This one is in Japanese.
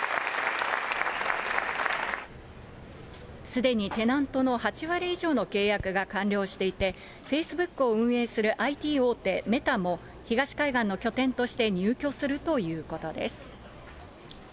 すでにテナントの８割以上の契約が完了していて、フェイスブックを運営するＩＴ大手、メタも東海岸の拠点として入居するということです。